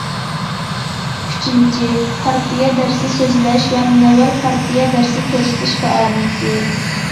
ئۈچىنچى، پارتىيە دەرسى سۆزلەش ۋە مۇنەۋۋەر پارتىيە دەرسى كۆرسىتىش پائالىيىتى.